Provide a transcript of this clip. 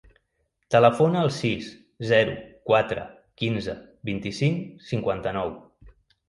Telefona al sis, zero, quatre, quinze, vint-i-cinc, cinquanta-nou.